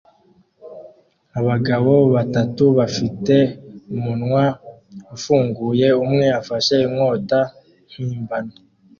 Abagabo batatu bafite umunwa ufunguye umwe afashe inkota mpimbano